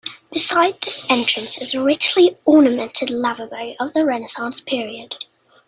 Beside this entrance is a richly ornamented lavabo of the Renaissance period.